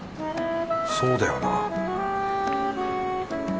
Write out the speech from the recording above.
そうだよな